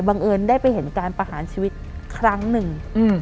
เอิญได้ไปเห็นการประหารชีวิตครั้งหนึ่ง